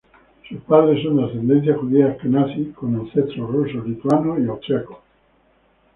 Sus padres son de ascendencia judía asquenazí, con ancestros rusos, lituanos y austriacos.